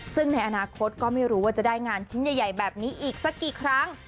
ซึ่งในอนาคตก็ไม่รู้ว่าจะได้งานชิ้นใหญ่แบบนี้อีกสักกี่ครั้ง